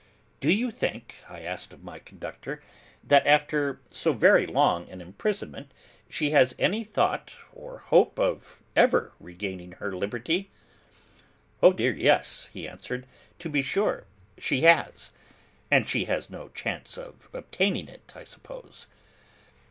'Do you think,' I asked of my conductor, 'that after so very long an imprisonment, she has any thought or hope of ever regaining her liberty?' 'Oh dear yes,' he answered. 'To be sure she has.' 'She has no chance of obtaining it, I suppose?